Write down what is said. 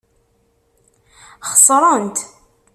Xeṣrent.